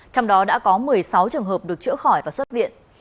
trong đó đã có một mươi sáu trường hợp được chữa khỏi và xuất viện